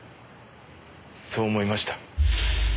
そう思いました。